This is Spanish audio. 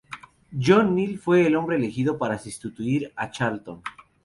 John Neal fue el hombre elegido para sustituir a Charlton.